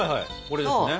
これですね。